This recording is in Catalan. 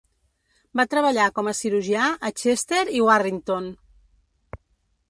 Va treballar com a cirurgià a Chester i Warrington.